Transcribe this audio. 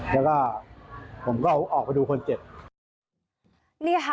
แล้วก็ผมก็ออกไปดูคนเจ็บ